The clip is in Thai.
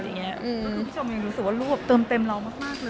คือพี่ชมยังรู้สึกว่าลูกเติมเต็มเรามากเลย